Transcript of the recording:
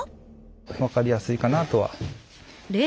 分かりやすいかなとは。